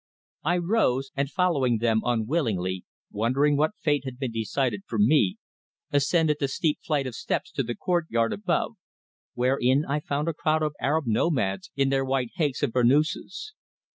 I rose, and following them unwillingly, wondering what fate had been decided for me, ascended the steep flight of steps to the courtyard above, wherein I found a crowd of Arab nomads in their white haicks and burnouses.